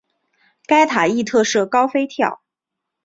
该塔亦特设高飞跳。